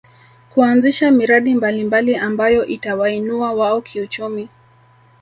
Kuanzisha miradi mbalimbali ambayo itawainua wao kiuchumi